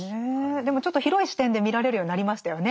でもちょっと広い視点で見られるようになりましたよね。